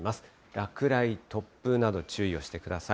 落雷、突風など注意をしてください。